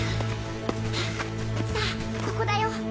さあここだよ